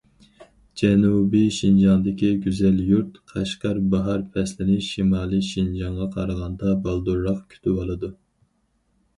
جەنۇبىي شىنجاڭدىكى گۈزەل يۇرت قەشقەر باھار پەسلىنى شىمالىي شىنجاڭغا قارىغاندا بالدۇرراق كۈتۈۋالىدۇ.